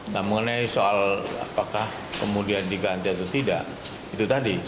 nah mengenai soal apakah kemudian diganti atau tidak itu tadi